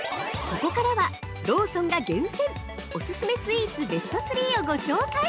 ◆ここからはローソンが厳選オススメスイーツベスト３をご紹介！